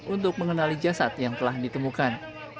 untuk mengenali jasad yang telah ditemukan